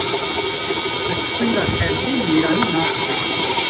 Bi tifinga xelkê mêrani nabe